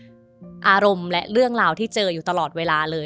อารมณ์และเรื่องราวที่เจออยู่ตลอดเวลาเลย